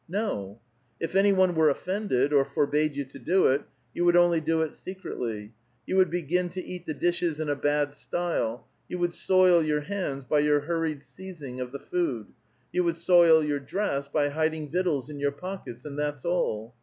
No; if anyone were offended, or forbade you %o do it, vou would only do it secretlv ; vou wouhi bi'sin to eat the dishes in a bad style, you would soil your hands by your hurried seizing of the food, you would soil your dress \yy hiding victuals in your pockets, and that's all.